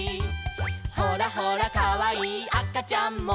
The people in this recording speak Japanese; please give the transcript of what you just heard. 「ほらほらかわいいあかちゃんも」